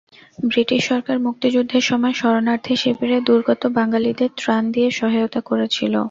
British সরকার মুক্তিযুদ্ধের সময় শরণার্থী শিবিরে দুর্গত বাঙালিদের ত্রাণ দিয়ে সহায়তা করেছিল।